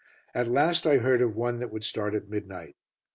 At last I heard of one that would start at midnight.